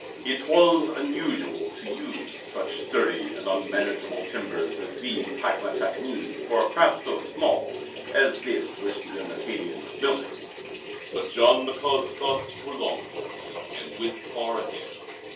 It was unusual to use such sturdy and unmanageable timbers as these hackmatack knees for a craft so small as this which the young Acadian was building; but Jean Michaud's thoughts were long thoughts and went far ahead.